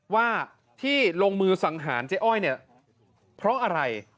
ว่าที่ลงมือสังหารเจ๊อ้อยเนี่ยเพราะอะไร